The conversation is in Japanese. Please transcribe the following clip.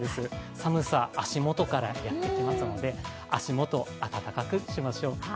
寒さ、足元からやってきますので、足元、温かくしまょう。